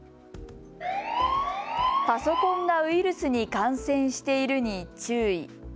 パソコンがウイルスに感染しているに注意。